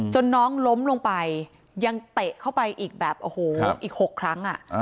น้องล้มลงไปยังเตะเข้าไปอีกแบบโอ้โหอีก๖ครั้ง